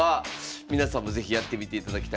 皆さんも是非やってみていただきたいと思います。